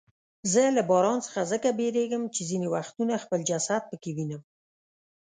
زه له باران څخه ځکه بیریږم چې ځیني وختونه خپل جسد پکې وینم.